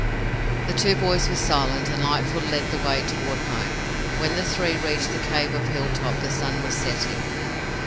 The two boys were silent, and Lightfoot led the way toward home. When the three reached the cave of Hilltop the sun was setting.